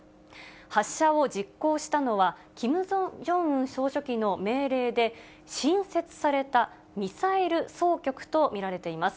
発射を実行したのは、キム・ジョンウン総書記の命令で、新設されたミサイル総局と見られています。